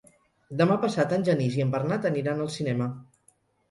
Demà passat en Genís i en Bernat aniran al cinema.